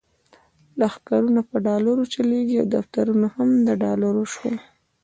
لښکرونه په ډالرو چلیږي او دفترونه هم د ډالر شول.